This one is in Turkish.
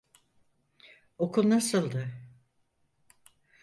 Okul nasıldı?